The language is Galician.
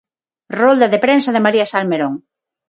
Rolda de prensa de María Salmerón.